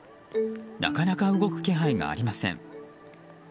なかなか動く気配がありません。